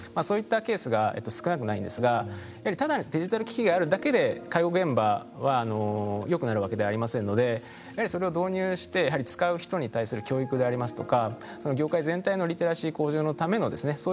そういったケースが少なくないんですがやはりただデジタル機器があるだけで介護現場はよくなるわけではありませんのでやはりそれを導入して使う人に対する教育でありますとかその業界全体のリテラシー向上のためのですね